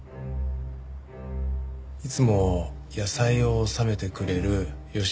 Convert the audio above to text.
いつも野菜を納めてくれる吉行香也子さん